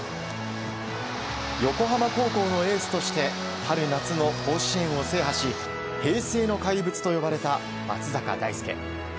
横浜高校のエースとして春夏の甲子園を制覇し平成の怪物と呼ばれた、松坂大輔。